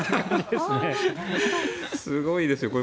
すごいですよ、これ。